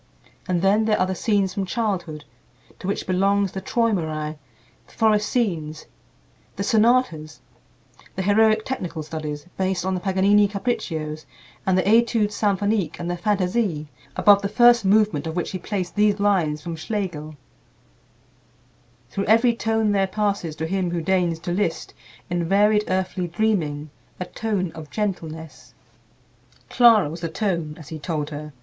And then there are the "Scenes from Childhood," to which belongs the "Träumerei"; the "Forest Scenes," the "Sonatas;" the heroic technical studies, based on the Paganini "Capriccios," and the "Études Symphoniques," and the "Fantasie," above the first movement of which he placed these lines from Schlegel: "Through every tone there passes, To him who deigns to list, In varied earthly dreaming, A tone of gentleness." Clara was the "tone," as he told her.